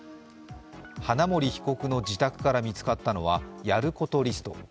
花森被告の自宅から見つかったのはやることリスト。